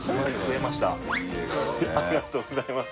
ありがとうございます。